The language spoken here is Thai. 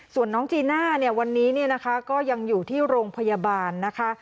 ส่วนน้องจีน่าเนี่ยวันนี้เนี่ยนะคะก็ยังอยู่ที่โรงพยาบาลนะคะ